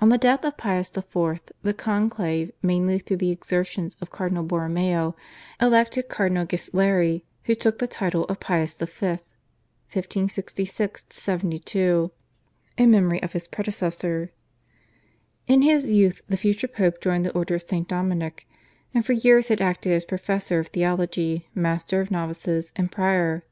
On the death of Pius IV. the conclave, mainly through the exertions of Cardinal Borromeo, elected Cardinal Ghisleri, who took the title of Pius V. (1566 72) in memory of his predecessor. In his youth the future Pope joined the Order of St. Dominic, and for years had acted as professor of theology, master of novices, and prior.